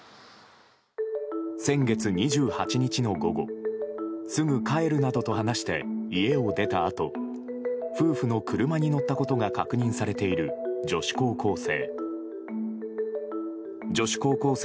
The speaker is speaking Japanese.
先月２８日の午後すぐ帰るなどと話して家を出たあと夫婦の車に乗ったことが確認されている女子高校生。